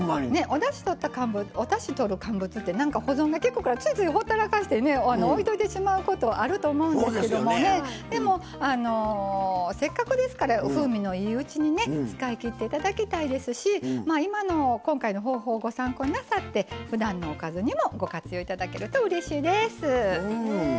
おだしとる乾物ってなんか保存がきくからついついほったらかしてね置いといてしまうことあると思うんですけどもねでもせっかくですから風味のいいうちにね使いきっていただきたいですし今回の方法をご参考になさってふだんのおかずにもご活用いただけるとうれしいです。